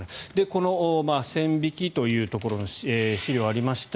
この線引きというところの資料、ありました。